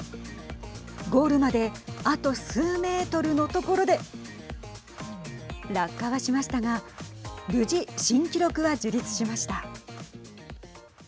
ゴールまであと数メートルの所で落下はしましたが無事、新記録は樹立しました。